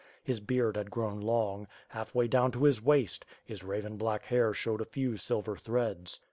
His beard had grown long, half way '^owi to his waist; his raven black hair showed a few silver threads.